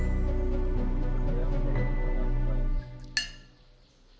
sampai jumpa nek